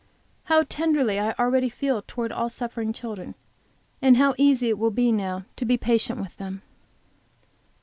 How tenderly I already feel towards all suffering children, and how easy it will be now to be patient with them!